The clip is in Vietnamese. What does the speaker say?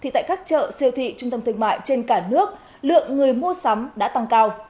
tại các chợ siêu thị trung tâm thương mại trên cả nước lượng người mua sắm đã tăng cao